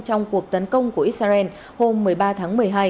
trong cuộc tấn công của israel hôm một mươi ba tháng một mươi hai